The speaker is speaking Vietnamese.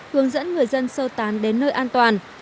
hướng dẫn người dân sơ tán đến nơi an toàn